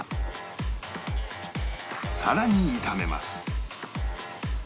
さらに炒めます